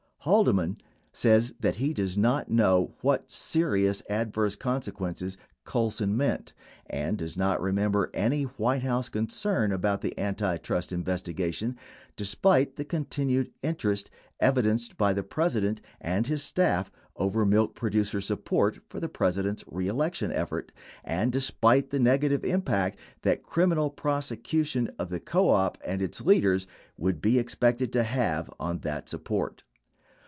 17 Haldeman says that he does not know what "serious adverse con sequences" Colson meant and does not remember any White House concern about the antitrust investigation, despite the continued in terest evidenced by the President and his staff over milk producer support for the President's reelection effort and despite the negative impact that criminal prosecution of the co op and its leaders would be expected to have on that support.